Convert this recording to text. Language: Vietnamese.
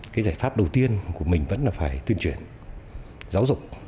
cái giải pháp đầu tiên của mình vẫn là phải tuyên truyền giáo dục